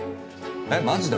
えっマジで？